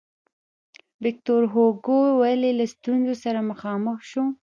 ویکتور هوګو ولې له ستونزو سره مخامخ شو.